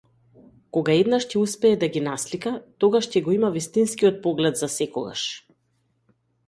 Кога еднаш ќе успее да ги наслика, тогаш ќе го има вистинскиот поглед засекогаш.